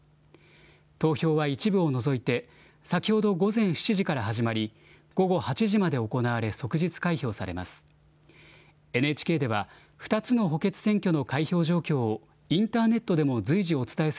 投票は一部を除いて、先ほど午前７時から始まり、午後８時まで行われ、即日開票されます。